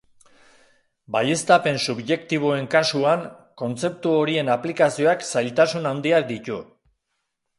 Baieztapen subjektiboen kasuan kontzeptu horien aplikazioak zailtasun handiak ditu.